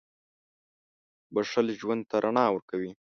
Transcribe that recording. • بښل ژوند ته رڼا ورکوي.